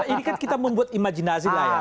ini kan kita membuat imajinasi lah ya